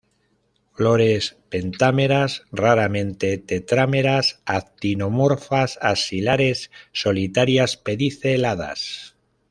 Flores pentámeras, raramente tetrámeras, actinomorfas, axilares, solitarias, pediceladas.